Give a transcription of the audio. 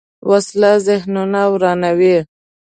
وسله ذهنونه ورانوي